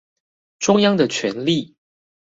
中央的權力